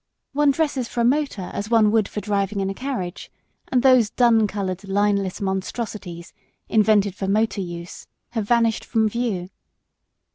One dresses for a motor as one would for driving in a carriage and those dun colored, lineless monstrosities invented for motor use have vanished from view.